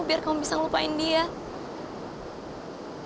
aku akan nyayangin kamu dan ngasih hati aku sepenuhnya buat kamu